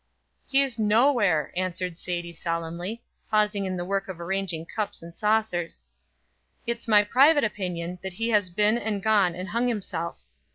"He's nowhere" answered Sadie solemnly, pausing in the work of arranging cups and saucers. "It's my private opinion that he has been and gone and hung himself.